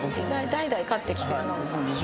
代々飼ってきてるので。